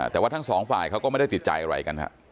แต่ว่าทั้งสองฝ่ายเขาก็ไม่ได้ติดใจอะไรกันฮะ